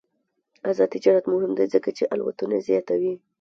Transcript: آزاد تجارت مهم دی ځکه چې الوتنې زیاتوي.